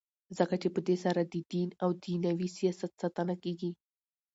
ځکه چي په دی سره ددین او دینوي سیاست ساتنه کیږي.